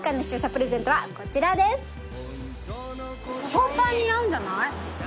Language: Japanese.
ショーパン似合うんじゃない？